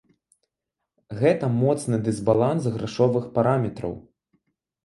Гэта моцны дысбаланс грашовых параметраў.